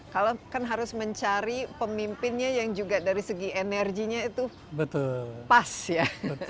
kalau kan harus mencari pemimpinnya yang juga dari segi energinya itu pas ya